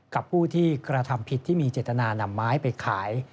กับผู้ที่กระทำผิดที่มีเจตนานำไม้ไปขาย